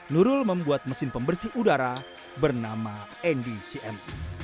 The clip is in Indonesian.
nurul membuat mesin pembersih udara bernama ndcm